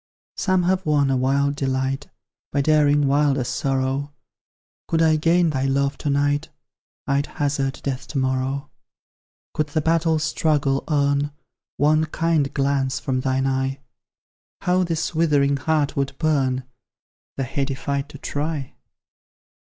Some have won a wild delight, By daring wilder sorrow; Could I gain thy love to night, I'd hazard death to morrow. Could the battle struggle earn One kind glance from thine eye, How this withering heart would burn, The heady fight to try!